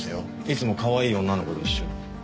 いつもかわいい女の子と一緒に。